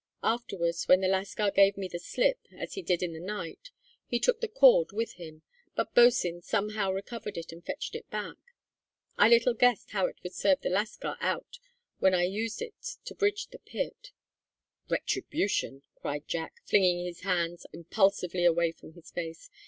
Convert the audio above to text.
Afterwards, when the lascar gave me the slip, as he did in the night, he took the cord with him; but Bosin somehow recovered it and fetched it back. I little guessed how it would serve the lascar out when I used it to bridge the pit!" "Retribution!" cried Jack, flinging his hands impulsively away from his face.